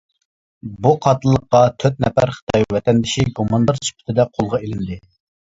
بۇ قاتىللىققا تۆت نەپەر خىتاي ۋەتەندىشى گۇماندار سۈپىتىدە قولغا ئىلىندى.